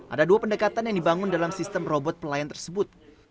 ada dua pendekatan yang dibangun dalam sistem robot pelayan tersebut